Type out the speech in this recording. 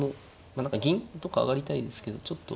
何か銀とか上がりたいですけどちょっと。